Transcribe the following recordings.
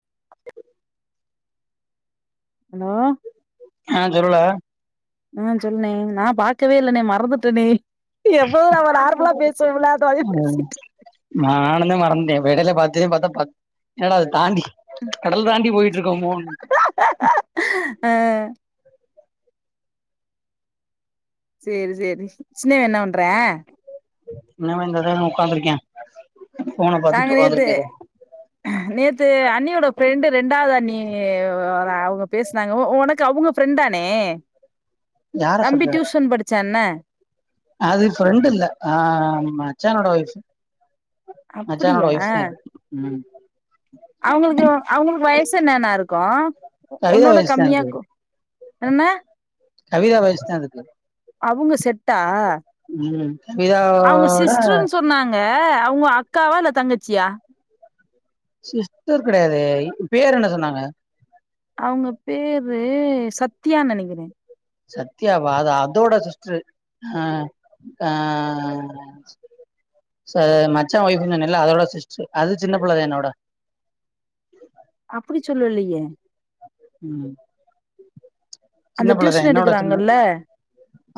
[inaudible] Hello ஆ சொல்லுடா ஆ சொல்னே நான் பாக்கவே இல்லனே மறந்துட்டேனே எப்பவும் நம்ம நார்மலா பேசுவோமில்ல அந்த மாரி பேசிட்டன் வெடல பாத்திது பாத்தா பத் என்னடா இது தாண்டி கடல் தாண்டி போயிட்டு இருக்கோமோ ஆ செரி செரி சின்னவ என்ன பண்றா இன்னா பண்றதுனு ஒக்காந்திருக்கா நாங்க நேத்து நேத் து அண்ணியோட ஃபிரெண்டு ரெண்டாவது அண்ணி அவுங்க பேசனாங்க ஒனக்கு அவுங்க ஃபிரெண்டானே யார தம்பி சொல்ற டியூஷன் படிச்சான்ன அது ஃபிரண்டு இல்ல ஆ மச்சானோட ஒய்ஃப் மச்சானோட அப்டியா ஒயிஃப் தா இது ம் அவங்களுக்கு அவங்களுக்கு வயசு என்னண்ணா இருக்கும் ஒ கவிதா ஒன்னவுட வயசு தா கம்மியா அதுக்கு கு என்னா கவிதா வயசு தான் அதுக்கு அவுங்க செட்டா ம் கவிதா ஓட ஆ அவுங்க அக்காவா இல்ல தங்கச்சியா? சிஸ்டர் கெடையாதே இ பேர் என்ன சொன்னாங்க? அவங்க பேரு சத்யான்னு நெனக்கிறே. சத்யாவா? அது அதோட சிஸ்டரு. ஆ ஆ செ மச்சா ஒய்ஃபுனுன்னல்ல அதோட சிஸ்டரு அது சின்ன பிள்ளதா என்னவிட. அப்டி சொல்லலையே. ம் சின்ன அந்த பிள்ளதே டியூஷன் என்னவிட சின்ன எடுக்குறாங்கல்ல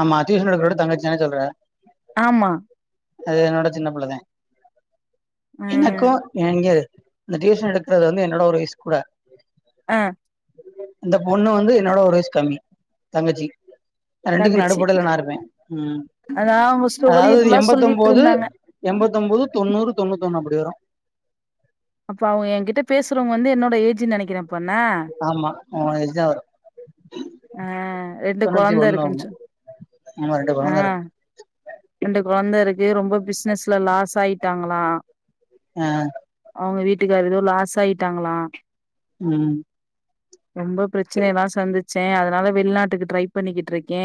ஆமா டியூசன் எடுக்கிறதோட தங்கச்சிதான சொல்ற ஆமா அது என்னவிட சின்ன பிள்ளதே. அ எனக்கு எங்க அந்த டியூஷன் எடுக்கறது வந்து என்னவிட ஒரு வயசு கூட. ஆ அந்த பொண்ணு வந்து என்னவிட ஒரு வயசு கம்மி தங்கச்சி அ ரெண்டுக்கு தங்கச்சி நடுப்படையில நா இருப்பே ம் அதா அவங்க ஸ்டோரிய அதாவது ஃபுல்லா எம்பத்தொம்போது சொல்லிட்ருந்தாங்க எம்பத்தொம்போது தொண்ணூறு தொண்ணூத் தொன்னு அப்டி வரு. சின்னு நெனைக்கிறே. அப்ப என்ன ஆமா ஆ எச்சா வரு ஆ ரெண்டு தொண்ணூத்தி கொழந்த ஒண்ணு ஆமா இருக்குன்ச்சு ஆமா ரெண்டு ஆ கொழந்த இருக்கு ரெண்டு கொழந்த இருக் கு ரொம்ப பிசினஸ்ல லாஸ் ஆயி ட்டாங்களா ஆ அவுங்க வீட்டுக்கார் ஏதோ லாஸ் ஆயிட்டாங்களா. ம் ரொம்ப பிரச்சனை எல்லா சந்திச்சே அதனால வெளிநாட்டுக்கு ட்ரை பண்ணிக்கிட்டு இருக்கே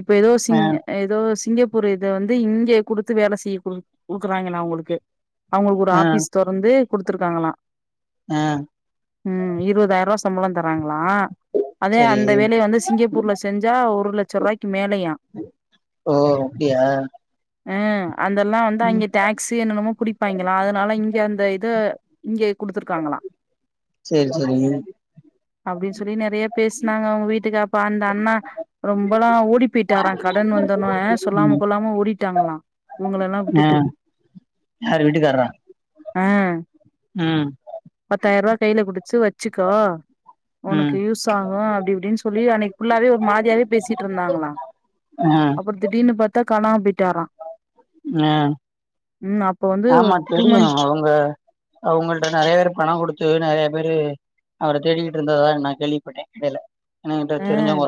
இப்ப எதோ ஆ சிங் எதோ சிங்கப் பூரு ஒத வந்து இங்க குடுத்து வேல செய்ய கு குடுக்குறாங்களா அவுங்களுக்கு அவுங்களுக்கு ஒரு ஆ ஆபீஸ் தொறந்து குடுத்துருக்காங்களா ஆ ம் இருவதாயர்ரூவா சம்பளந் தராங்க களா அதே சரி அந்த வேலைய வந்து சிங்கப்பூர்ல செஞ்சா ஒரு லட்ச ரூவாய்க்கி மேலயா ஓ அப்டியா ஆ அந்தெல்லா வந்து ம் அங்க டேக்ஸு என்னன்னமோ புடிப் பாய்ங்களா அதனால இங்க அந்த இத இங்க குடுத்துருக்காங்களா சேரி சேரி அப்டின்னு சொல்லி நெறைய பேசுனாங்க அவங்க வீட்டுக்கா அப்ப அந்த அண்ணா ரொம்பெலா ஓடி போயிட்டாரா கடன் வந்தவுன்னே சொல்லாம ம் கொல்லாம ஓடிட்டாங்களா. இவங்களெல்லா ஆ விட்டுட்டு யாரு வீட்டுக்காரரா? ஆ ம் பத்தாயர்ருவா கைல குடிச்சு வச் சுக்கோ ம் உனக்கு யூஸ் ஆகு அப்டி இப்டின்னு சொல்லி அன்னைக்கி ஃபுல்லாவே ஒரு மாதிரியாவே பேசிட்டு இருந்தாங்களா. ஆ அப்புற திடீர்னு பாத்தா காணாம போய் ஆ ம் அப்ப வந்து ஆமா டூ தெரியு மந்த் அவங்க அவங்கள்ட்ட நெறைய பேரு பணோ குடுத்து நெறைய பேரு அவர தேடிக்கிட்டு இருந்ததா நா கேள்விப்பட்டே கடைல ம்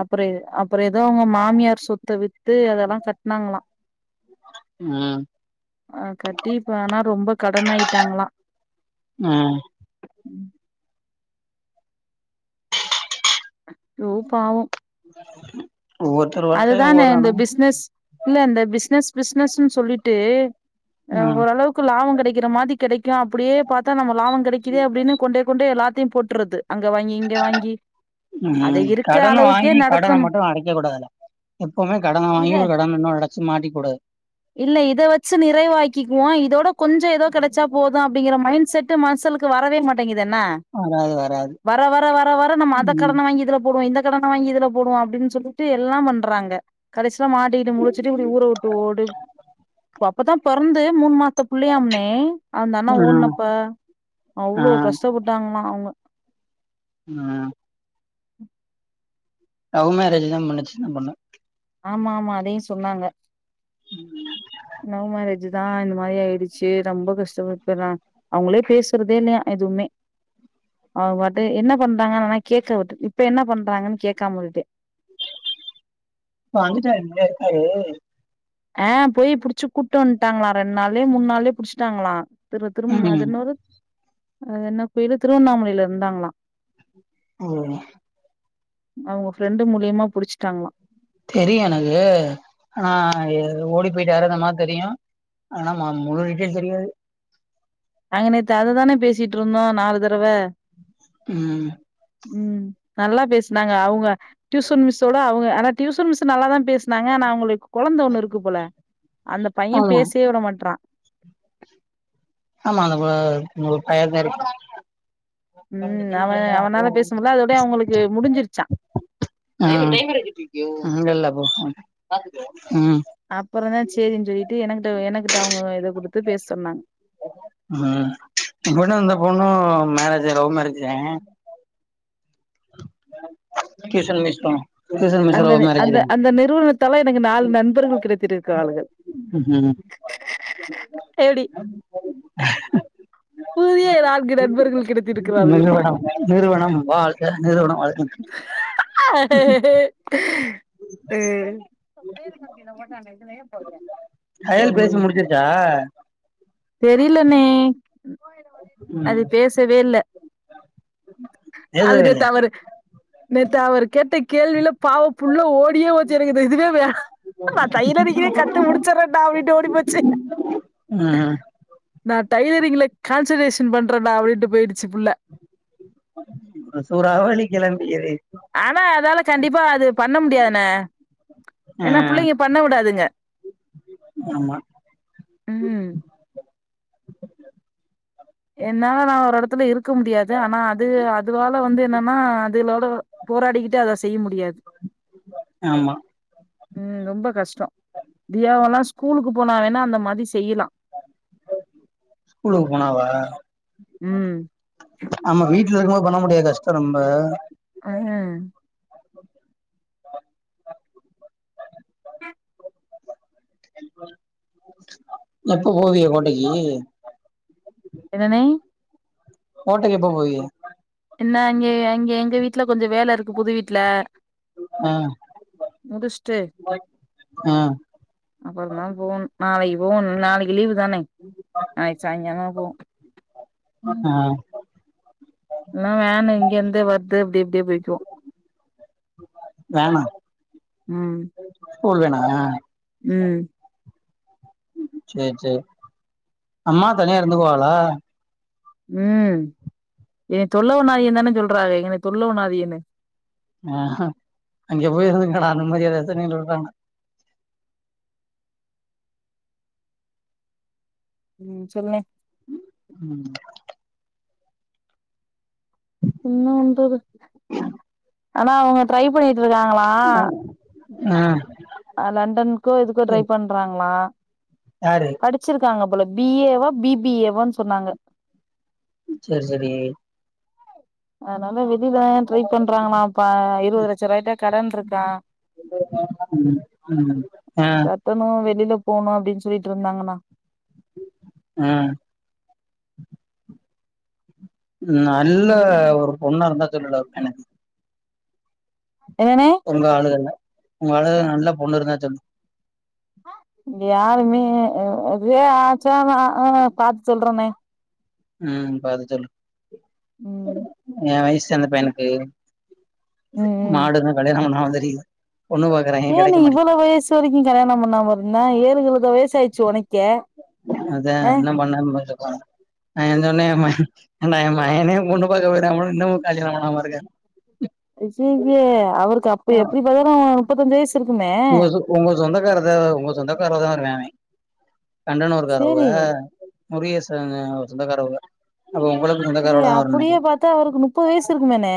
அப்புற அப்புற எதோ அவங்க மாமியார் சொத்த வித்து அதெல்லா கட்னாங்களா. ம் ஆ கட்டி இப்ப ஆனா ரொம்ப கடன் ஆயிட்டாங்களா ம் ம் ஐயோ பாவோ ஒவ்வொருத்தர் வாழ்க்கையு அதுதானே ஒவ்வொரு அந்த பிசினஸ் இல்ல அந்த பிசினஸ் பிசினஸ்ன்னு சொல்லிட்டு ஆ ம் ஓரளவுக்கு லாபோ கெடைக்கிற மாரி கெடைக்கு அப்படியே பாத்தா நம்ம லாபோ கெடைக்குதே அப்டின்னு கொண்டே கொண்டே எல்லாத் தையு போட்டுறது அங்க வாங்கி இங்க வாங்கி அத ம் இருக்க அளவுக்கே நடத்தணு கூடாது எல்லா எப்பவுமே கடன வாங்கி இல்ல ஒரு கடன இன்னொரு கட ச்சு மாட்டிக்க கூடாது இல்ல இத வச்சு நிறைவாக்கிக்குவோ இதவிட கொஞ்சோ எதோ கெடைச்சா போது அப்டிங்கிற மைண்ட் செட் டு மனுசங்ளுக்கு வரவே மாட்டேங்கு துன்னா வராது வராது வர வர வர வர நம்ம அந்த ம் கடன வாங்கி இதுல போடுவோ இந்த கடன வாங்கி இதுல போடுவோ அப்டின்னு சொல்லிட்டு எல்லாம் பண்றாங்க கடைசி ல மாட்டிக்கிட்டு முழிச்சுட்டு இப்டி ஊர விட்டு ஓடி அப்பதா பொறந்து மூணு மாச த்து புள்ளையாம்ண்ணே அந்த அண்ணா ம் ஓடுனப்ப ஆ அவ்ளோ கஷ்டப்பட்டாங்களா அவுங்க. ஆ லவ் மேரேஜ்தா பண்ணுச்சு அந்த பொண்ணு. ஆமா ஆமா அதையு சொன்னாங்க. ம் அதா இந்த மாரி ஆயிடுச்சு ரொம்ப கஷ்டப்பட்ட நா அவங்களே பேசுறதே இல்லையா எதுவுமே அவங்க பாட்டு என்ன பண்றாங்கன்னு நா கேக்க விட்டு இப்ப என்ன பண்றாங்கன்னு கேக்காம விட்டே இப்ப வந்துட்டாரு இங்கதா இருக்காரு ஆ போய் புடிச்சு கூப்ட்டு வன்ட்டாங்களா ரெண்டு நாள்ளயோ மூணு நாள்ளயோ புடிச்சுட்டாங்களா திரு திரும் அது ம் என்ன ஊரு? அது என்ன கோயிலு திருவண்ணாமலையில இருந்தாங்களா. ஓ அவங்க ஃபிரண்டு மூலியமா புடிச்சிட்டாங்களா. தெரியு எனக்கு ஆனா ஓடி இது போயிட்டாருங்கற மார தெரியு ஆனா ம முழு டீட்டெய்ல் தெரியாது. நாங்க நேத்து அததான பேசிட்டு இருந்தோ நாலு தடவ ம் ம் நல்லா பேசுனாங்க அவுங்க டியூசன் மிஸ்சோட அவங்க ஆனா டியூஷன் மிஸ்ஸு நல்லாதா பேசு னாங்க ஆனா அவுங்களுக்கு கொழந்த ஒண்ணு இருக்கு போல அந்த பைய ஆமா பேசவே விட மாட்றா. ஆமா அது ஆ அவுங்களுக்கு கொழந்த இருக்கு. ஆ ம் அவ அவனால பேச முடில அதோடயே அவுங்களுக்கு முடிஞ்சிருச்சா அவங்கல்ல ஓஹோ அப்புறம்தா சேரின்னு சொல்லிட்டு எனக்கிட்ட எனக்கிட்ட அவங்க இத குடுத்து பேச சொன்னாங்க. ஆ ஹா [unintelligible] இருந்த பொண்ணும் மேரே ஜ் லவ் மேரேஜுதே. டியூசன் மிஸ்ஸு அந்தந்த அந்த அந்த நிறுவனத்தால எனக்கு நாலு நண்பர்கள் கிடைத்திருக்காளுகள் ம் எப்டி புதிய நான்கு நண்பர்கள் கிடைத்திருக்கிறார்கள் நிறுவனம் நிறுவனம் வாழ்க நிறுவனம் வாழ்க ஏ அதே கயல் பேசி மாரி முடிச்சிருச்சா தெரியலண்ணே. ம் அது பேசவே இல்ல. அது பேசவே நேத்து இல்லையா அவர் நேத்து அவர் கேட்ட கேள்வில பாவ புள்ள ஓடி யே போச்சு எனக்கு இந்த இதுவே வேணா நா டைலரிங்கே கத்து முடிச்சர்றே நா அப்டினுட்டு ஓடி போயிர்ச்சு. ம் நா டைல ரிங்ல கான்சென்ட்ரேஷ ன் பண்ற நா அப்டின்ட்டு போயிடுச்சு புள்ள அ சூறாவளி கெளம்பியிரு ஆனா அதால கண்டிப்பா அது பண்ண முடியாதுண்ணே ஆ ஏன்னா புள்ளைங்க பண்ண விடாதுங்க. ஆமா உ என்னால நா ஒரு எடத்துல இருக்க முடியாது ஆனா அது அதுவால அது வந்து என்னன்னா அதுலோட போராடிக்கிட்டு அத செய்ய முடியாது ஆமா உ ரொம்ப கஷ்டோ தியாவல்லா ஸ்கூலுக்கு போனா வேணா அந்த மாதி செய்யலா ஸ்கூலுக்கு போனாவா உ ஆமா வீட்ல இருக்கும்போது பண்ண முடியாது கஷ்டோ ரொம்ப ஆஹே எப்ப போவிய கோட்டக்கி என்னனே கோட்டைக்கி எப்போ போவிய என்ன அங்க அங்க எங்க வீட்ல கொஞ்ச வேல இருக்கு புது வீட்ல ஆ முடிச்ட்டு ஆ அப்புறந்தாபோவணு நாளைக்கு போவணு நாளைக்கு லீவு தானே நாளைக்கு சாய்ங்காலோ போவு ஆ [unintelligible] வேனு இங்கிருந்தே வருது அப்டிப்டியே போய்கிவோ வேணா உ போல்வேணா ஆ உ சேரி சேரி அம்மா தனியா இருந்து குவாகலா உ ஏ தொல்ல பன்னாதியே தான சொல்றாங்க எங்கள தொல்லவன்நாதியனு ஆ ஹ அங்க போயி இருந்துங்கடா அந்த மாரி [unintelligible] விடுறாங்க உ சொல்லுனே உ உ இன்னுவந்து ஆனா அவங்க ட்ரை பண்ணிட்டு ருக்காங்களா ஆ அ லண்டனுக்கோ இதுக்கோ ட்ரை பண்றாங்களா யாரு படிச்சிருக்காங்கப் போல பி ஏவா பி பி ஏவோ சொன்னாங்க செர் செரி ஆனால வெ [unintelligible] ல டிரை பண்றாங்களாம்பா இருவது லட்ச ரூவாய்ட்ட கடன் இருக்கா ம் ம் ஆ கட்டணு வெளில போணு அப்டினு சொல்லிட்டிருந்தாங்கன்ணா ஆ உ நல்ல ம் ஒரு பொண்ணா இருந்த சொல்லுல [unintelligible] என்னண்ணே உங்க ஆளுகல்ல உங்க ஆளுலல்ல நல்ல பொண்ணு இருந்தா சொல் யாருமே இதே ஆச்சா ஆ பாத்து சொல்றேன்னே ம் பாத்து சொல்லு ம் எ வயசு அந்த பையனுக்கு மாடு [unintelligible] [unintelligible] ஏன் நீ இவ்வள வயசு வரைக்கும் கல்யாணம் பண்ணாம இருந்த ஏழு கழுத வயசாயிச் உனக்கே அதே பண்ணலாம்னு பாத்தே என் சொன்னே என்ம் என்னா என்ம்மா என்னையும் இன்னமும் கால்யாணம் பண்ணாம இருக்காரு [unintelligible] ஐய்யேயா அவரு ஹாஉங்க உங்க சொந்தக்காரராத உங்க சொந்தக்காரர்ரா தான் வருவா அவே கண்டன ஒரு கார அவ சேரி முருகச அவர் சொந்தக்கார அவங்க [unintelligible] சரி அப்படியே பாத்தா அவருக்கு நுப்பது வயசு இருக்கு மேனே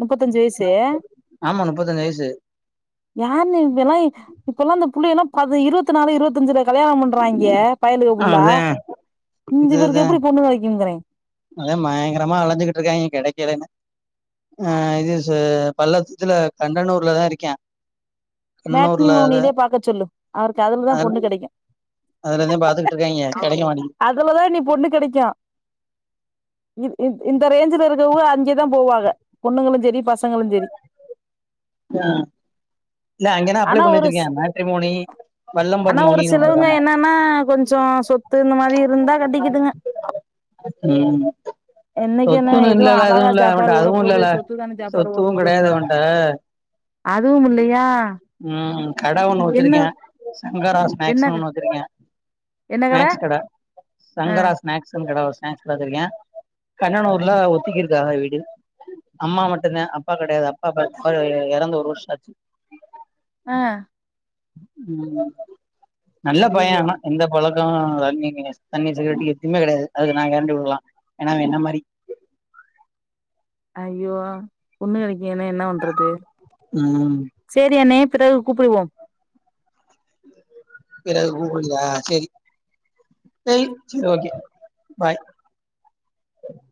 முப்பத்தஞ்சு வயசு ஆமா முப்பத்தஞ்சு வயசு யாருநூ இல்லா இப்பல்லா இந் புல்லிங்கள்ல பது இருவத்நாலு இருவத்தஞ்சு கல்யாணம் பண்றாங்க பயலுக புள்ளா அதா இந்த இவருக்கு எப்படி பொண்ணு கெடைக்கும்ங்கிறே அது பயங்கரமா அளைஞ்சகிட்டு இருக்காங்கிய அவன் கிடைக்கவே இல்ல அஹ் இது பல்லசுத்துல கண்டனூர்லதா இருக்கியா மேட்னி மோனிலய பாக்க சொல்லு அவருக்கு அதுலதா அதுல பொண்ணு கிடைக்கும் அதுலதா பாத்துக்கிட்டு இருக்காய்ங்க கெடைக்க அதுலதா நீ பொண்ணு கிடைக்கும் இ இ இந்த ரேஞ்சல இருக்கவங்க அங்கதா போவாங்க பொண்ணுங்களுஞ் செரி பசங்களுஞ் செரி ஹா இல்ல அங்கனா அப்ளை ஆனா பண்ண ஒரு ஸ் வச்சிருக்கேன் மேட்ரி மோனி வல்லம்பர் ஆனா ஒரு மோனனு சிலவங்க ஒண்ணுதமா என்னன்னா கொஞ்சோ சொத்து இந்த மாரி இருந்தா கட்டிக்கிதுங்க உம் என்னைக்கு என்ன சொத்துன்னு எதுவு இல்லல அழகா அதுவும் இல்ல சாப்பாடு அவன் ஓட அதுவும் போது இல்லல்ல சொத்து தான சாப்பாடு ஓட சொத்துவும் போது கிடையாது அப்டின்னு அவன்ட [unintelligible] அதுவும் இல்லயா உம் கட ஒன்னு வச்சிருக்கே சங்கரா என்ன ஸ்நாக்ஸ்னு ஒண்ணு வச்சிருக்கே ஸ்நாக்ஸ் கட ஆ சங்கரா ஸநாக்ஸ்னு கட ஒ ஹ சொல்லவந்ருக்கே கண்ணனூர்ல ஒத்திக்கு இருக்காங்க வீடு அம்மா மட்டு்தா அப்பா கிடையாது அப்பா [unintelligible] இறந்து ஒரு வருஷ ஆச் ஹ் உம் நல்ல பய ஐயையோ ஆன எந்த பழ ஆஆ தண்ணி கிண்ணேஸ் தண்ணி சிகிரெட் எதுவுமே கிடையாது அதுக்கு நான் கேரண்டி விடலாம் ஏன்னா அவ என்ன மாதிரி அய்யோ பொண்ணு அதைக் இன்னு என்ன பண்றது ம் தெ செரிஅண்ணே பிறகு கூப்பிடுவோம் குகுள் சரி ச சரி ஓகே பாய் [unintelligible]